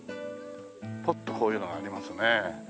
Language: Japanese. ぽっとこういうのがありますね。